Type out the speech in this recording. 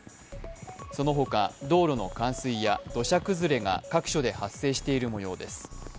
そのほか道路の冠水や土砂崩れが各所で発生している模様です。